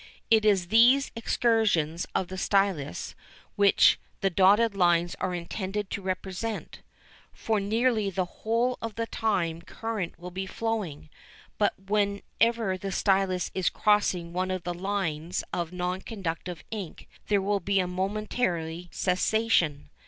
It is these excursions of the stylus which the dotted lines are intended to represent. For nearly the whole of the time current will be flowing; but whenever the stylus is crossing one of the lines of non conductive ink there will be a momentary cessation.